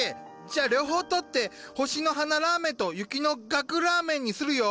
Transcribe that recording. じゃあ両方取って「星の花ラーメン」と「雪の萼ラーメン」にするよ。